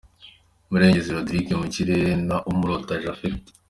Murengezi Rodrigue mu kirere na Imurora Japhet .